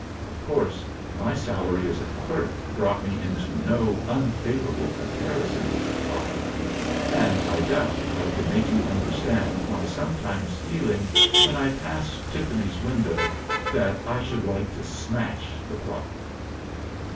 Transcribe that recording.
Of course my salary as a clerk brought me into no unfavourable comparison with the clock; and I doubt if I could make you understand my sometimes feeling when I passed Tiffany's window that I should like to smash the clock."